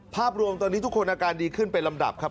ภาพรวมตอนนี้ทุกคนอาการดีขึ้นเป็นลำดับครับ